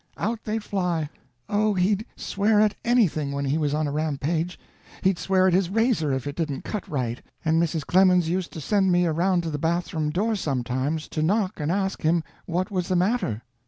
Out they'd fly.... Oh! he'd swear at anything when he was on a rampage. He'd swear at his razor if it didn't cut right, and Mrs. Clemens used to send me around to the bathroom door sometimes to knock and ask him what was the matter.